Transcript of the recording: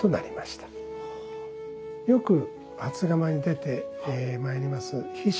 よく初釜に出てまいります菱